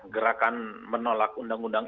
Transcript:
gerakan menolak undang undang